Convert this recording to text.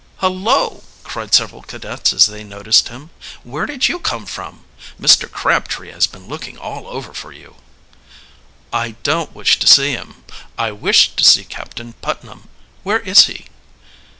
"Hullo!" cried several cadets as they noticed him. "Where did you come from? Mr. Crabtree has been looking all over for you." "I don't wish to see him. I wish to see Captain Putnam? Where is he?"